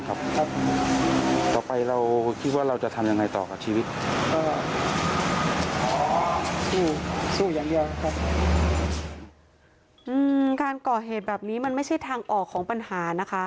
การก่อเหตุแบบนี้มันไม่ใช่ทางออกของปัญหานะคะ